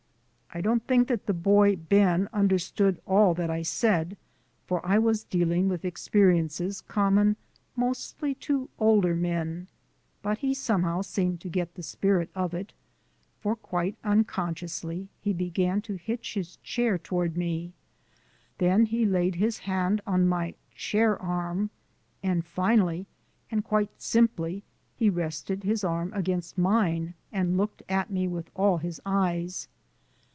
I don't think that the boy Ben understood all that I said, for I was dealing with experiences common mostly to older men, but he somehow seemed to get the spirit of it, for quite unconsciously he began to hitch his chair toward me, then he laid his hand on my chair arm and finally and quite simply he rested his arm against mine and looked at me with all his eyes.